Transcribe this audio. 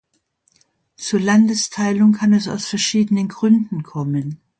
Zu Landesteilung kann es aus verschiedenen Gründen kommen.